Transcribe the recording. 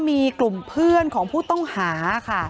มีกลุ่มเพื่อนของผู้ต้องหาค่ะ